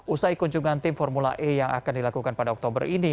usai kunjungan tim formula e yang akan dilakukan pada oktober ini